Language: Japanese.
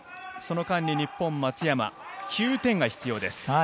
その間に松山は９点が必要です。